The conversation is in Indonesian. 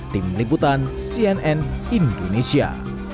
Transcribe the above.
tim liputan cnn indonesia